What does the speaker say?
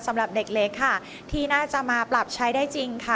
สำหรับเด็กเล็กค่ะที่น่าจะมาปรับใช้ได้จริงค่ะ